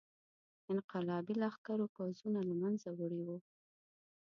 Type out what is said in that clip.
انقلابي لښکرو پوځونه له منځه وړي وو.